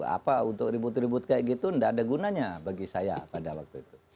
apa untuk ribut ribut kayak gitu tidak ada gunanya bagi saya pada waktu itu